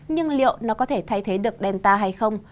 nhưng liệu nó có thể thay thế được delta hay không